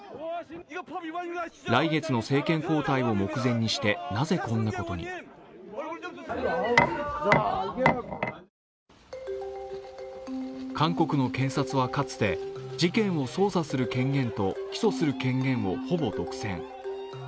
来月の政権交代を目前にして、なぜこんなことに韓国の検察はかつて事件を捜査する権限と起訴する権限をほぼ独占。